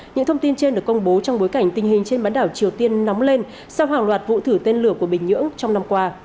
những thông tin trên được công bố trong bối cảnh tình hình trên bán đảo triều tiên nóng lên sau hàng loạt vụ thử tên lửa của bình nhưỡng trong năm qua